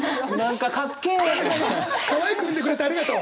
かわいく産んでくれてありがとう。